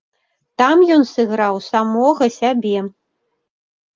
Там ён сыграў самога сябе.